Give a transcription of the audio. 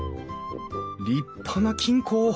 立派な金庫。